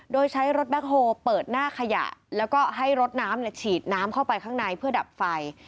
โดยใช้รถแบ็คโฮลเปิดหน้าขยะแล้วก็ให้รถน้ำฉีดน้ำเข้าไปข้างในเพื่อดับไฟ